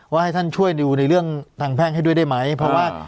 ให้ท่านช่วยดูในเรื่องทางแพ่งให้ด้วยได้ไหมเพราะว่า